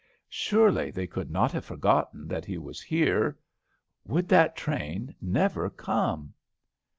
Surely, they could not have forgotten that he was here. Would that train never come?